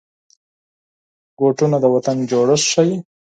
بوټونه د وطن جوړښت ښيي.